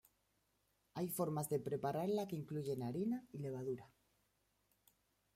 Hay formas de prepararla que incluyen harina y levadura.